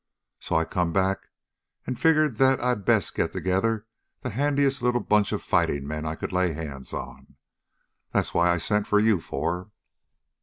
"So I come back and figured that I'd best get together the handiest little bunch of fighting men I could lay hands on. That's why I sent for you four."